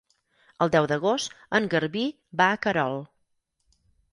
El deu d'agost en Garbí va a Querol.